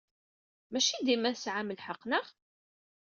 Maci dima tesɛam lḥeqq, naɣ?